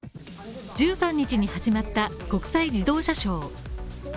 １３日に始まった国際自動車ショー。